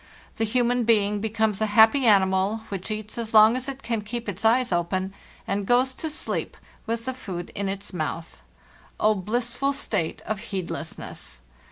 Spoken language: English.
The human being becomes a happy animal, which eats as long as it can keep its eyes open, and goes to sleep with the food in its mouth. Oh, blissful state of heedlessness!